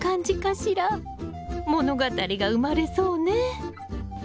物語が生まれそうね！